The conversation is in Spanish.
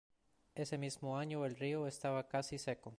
Ese mismo año el río estaba casi seco.